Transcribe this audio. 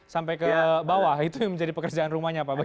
sampai ke bawah itu yang menjadi pekerjaan rumahnya pak bagi